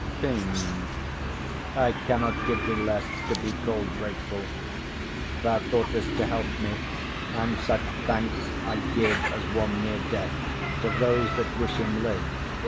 KING. I cannot give thee less, to be call'd grateful. Thou thought'st to help me; and such thanks I give As one near death to those that wish him live.